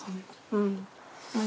うん。